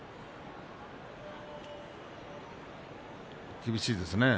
厳しいですね。